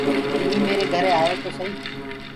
تمينٚ ميري گھري آيو تو سئي۔